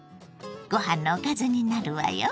ご飯のおかずになるわよ。